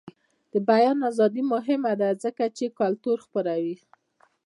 د بیان ازادي مهمه ده ځکه چې کلتور خپروي.